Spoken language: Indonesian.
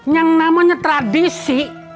yang namanya tradisi